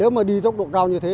nếu mà đi tốc độ cao như thế